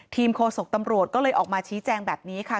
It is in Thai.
โฆษกตำรวจก็เลยออกมาชี้แจงแบบนี้ค่ะ